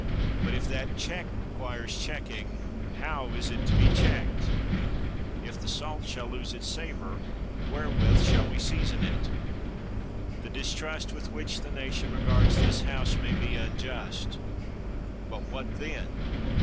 But if that check requires checking, how is it to be checked? If the salt shall lose its savor, wherewith shall we season it? The distrust with which the nation regards this House may be unjust. But what then?